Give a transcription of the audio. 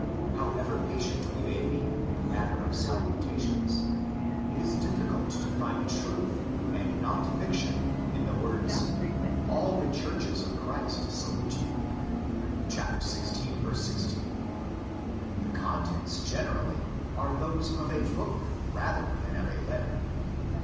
However patient we may be in the matter of salutations, it is difficult to find truth and not fiction in the words, '' AW the Churches of Christ salute you" (ἀσπάζονται ὑμᾶς ai ἐκκλησίαι πᾶσαι τοῦ Χριστοῦ, xvi. 16). The contents generally are those of a book rather than of a letter.